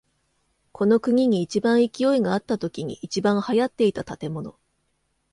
この国に一番勢いがあったときに一番流行っていた建物。